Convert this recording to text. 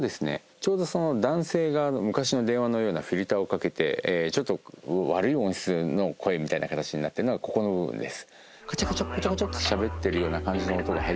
ちょうど男性側の昔の電話のようなフィルターをかけてちょっと悪い音質の声みたいな形になってるのがここの部分です。